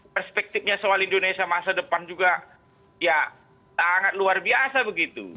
perspektifnya soal indonesia masa depan juga ya sangat luar biasa begitu